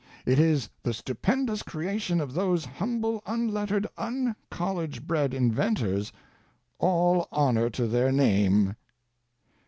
It is the stupendous creation of those humble unlettered, un college bred inventors—all honor to their name.